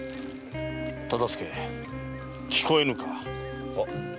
忠相聞こえぬか？は？